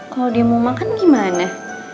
kalau dia mau makan gimana